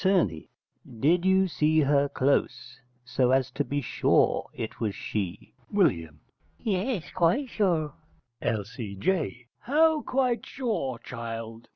_ Did you see her close, so as to be sure it was she? W. Yes, quite sure. L.C.J. How quite sure, child?